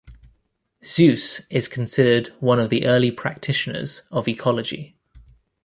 Suess is considered one of the early practitioners of ecology.